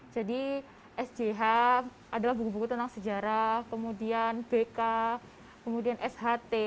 jadi sjh adalah buku buku tentang sejarah kemudian bk kemudian sht